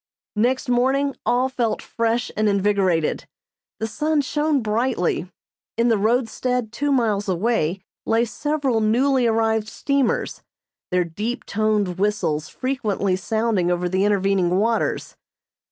Next morning all felt fresh and invigorated. The sun shone brightly. In the roadstead two miles away lay several newly arrived steamers, their deep toned whistles frequently sounding over the intervening waters.